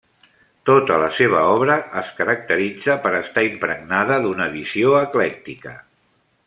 Tota la seva obra es caracteritza per estar impregnada d'una visió eclèctica.